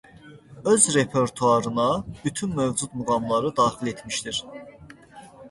Öz repertuarına bütün mövcud muğamları daxil etmişdir.